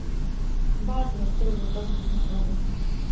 باز له سترګو ډک مرغه دی